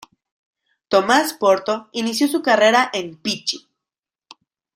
Tomás Porto inició su carrera en "Pichi".